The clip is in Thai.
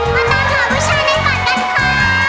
มาถามผู้ชายในฝันกันค่ะ